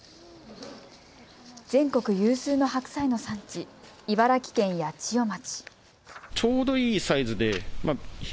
全国有数の白菜の産地、茨城県八千代町。